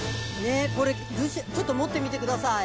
これちょっと持ってみてください。